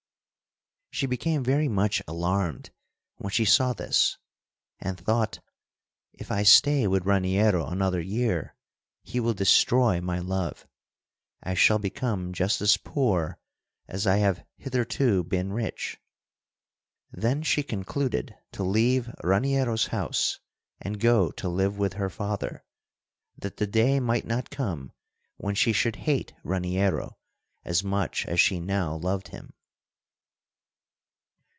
She became very much alarmed when she saw this, and thought: "If I stay with Raniero another year, he will destroy my love. I shall become just as poor as I have hitherto been rich." Then she concluded to leave Raniero's house and go to live with her father, that the day might not come when she should hate Raniero as much as she now loved him.